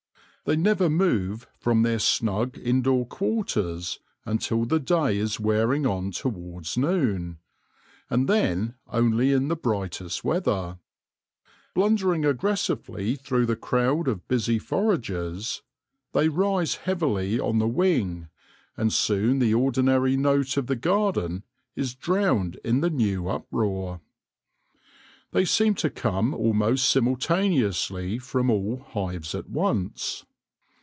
They never move from their snug indoor quarters until the day is wearing on towards noon, and then only in the brightest weather. Blundering aggressively through the crowd of busy foragers, they rise heavily on the wing, and soon the ordinary note of the garden is drowned in the new uproar. They seem to come almost simultaneously from all hives at once.